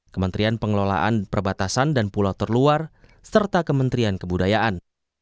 kementerian pengelolaan perbatasan dan pulau terluar serta kementerian kebudayaan